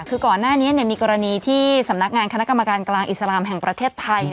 คือก่อนหน้านี้มีกรณีที่สำนักงานคณะกรรมการกลางอิสลามแห่งประเทศไทย